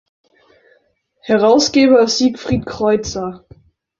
Herausgeber ist Siegfried Kreuzer.